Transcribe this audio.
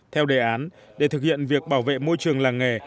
theo đề án để thực hiện việc bảo vệ môi trường làng nghề